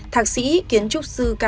thạc sĩ kiến trúc sư cao hoàng